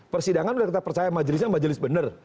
persidangan sudah kita percaya majelisnya majelis benar